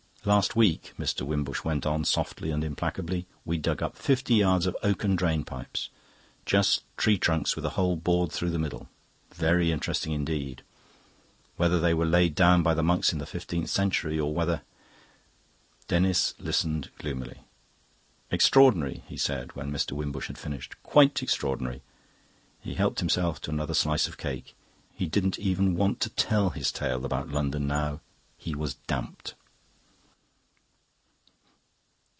"Last week," Mr. Wimbush went on softly and implacably, "we dug up fifty yards of oaken drain pipes; just tree trunks with a hole bored through the middle. Very interesting indeed. Whether they were laid down by the monks in the fifteenth century, or whether..." Denis listened gloomily. "Extraordinary!" he said, when Mr. Wimbush had finished; "quite extraordinary!" He helped himself to another slice of cake. He didn't even want to tell his tale about London now; he was damped.